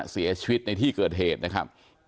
เสียชีวิตในที่เกิดเหตุนะครับ